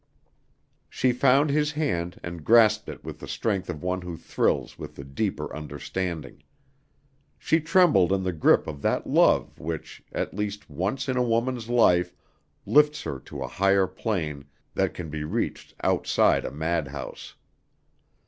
She found his hand and grasped it with the strength of one who thrills with the deeper understanding. She trembled in the grip of that love which, at least once in a woman's life, lifts her to a higher plane than can be reached outside a madhouse.